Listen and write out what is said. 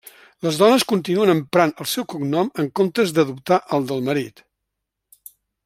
Les dones continuen emprant el seu cognom en comptes d'adoptar el del marit.